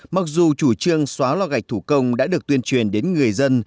mặc dù chủ trương xóa lò gạch thủ công đã được tuyên truyền đến người dân